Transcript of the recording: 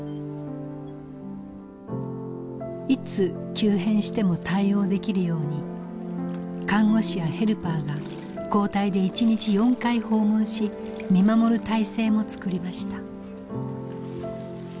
いつ急変しても対応できるように看護師やヘルパーが交代で１日４回訪問し見守る体制も作りました。